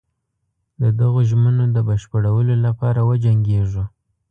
د دغو ژمنو د بشپړولو لپاره وجنګیږو.